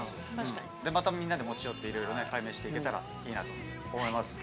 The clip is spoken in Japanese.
またみんなで持ち寄っていろいろ解明して行けたらいいなと思います。